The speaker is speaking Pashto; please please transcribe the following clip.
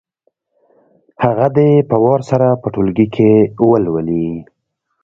هغه دې په وار سره په ټولګي کې ولولي.